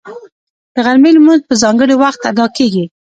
د غرمې لمونځ په ځانګړي وخت ادا کېږي